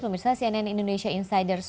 pemirsa cnn indonesia insiders